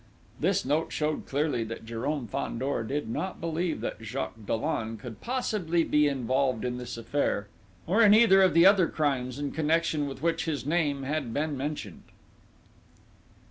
"_ This note showed clearly that Jérôme Fandor did not believe that Jacques Dollon could possibly be involved in this affair, or in either of the other crimes in connection with which his name had been mentioned.